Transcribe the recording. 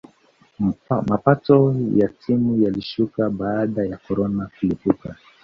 mapato ya timu yalishuka baada ya corona kulipuka